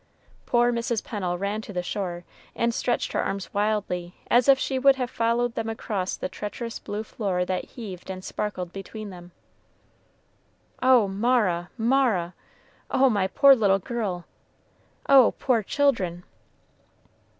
Poor Mrs. Pennel ran to the shore, and stretched her arms wildly, as if she would have followed them across the treacherous blue floor that heaved and sparkled between them. "Oh, Mara, Mara! Oh, my poor little girl! Oh, poor children!"